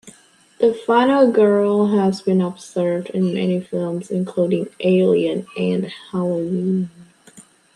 The final girl has been observed in many films including "Alien" and "Halloween".